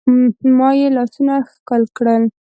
ما يې لاسونه ښکل کړل.